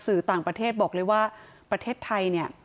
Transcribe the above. สื่อต่างประเทศบอกเลยว่าประเทศไทยเนี่ย